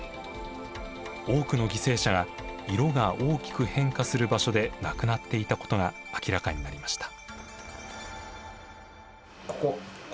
多くの犠牲者が色が大きく変化する場所で亡くなっていたことが明らかになりました。